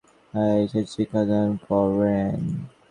তিনি মধ্য তিব্বতের বিভিন্ন বৌদ্ধবহারে কালচক্র সম্বন্ধে শিক্ষাদান করেন।